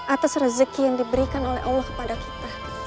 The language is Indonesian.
atas rezeki yang diberikan oleh allah kepada kita